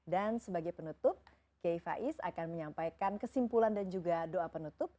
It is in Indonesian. dan sebagai penutup kyai faiz akan menyampaikan kesimpulan dan juga doa penutup